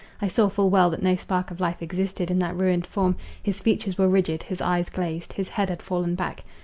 I saw full well that no spark of life existed in that ruined form, his features were rigid, his eyes glazed, his head had fallen back.